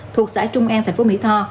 thuộc xã trung an thành phố mỹ tho